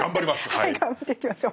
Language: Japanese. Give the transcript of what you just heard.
はい頑張っていきましょう。